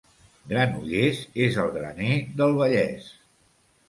Granollers és el graner del Vallès.